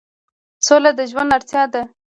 سوله د ژوند اړتیا ده